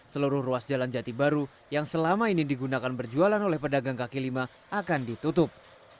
seluruh ruas jalan jati baru yang selama ini digunakan berjualan oleh pedagang kaki lima akan ditutup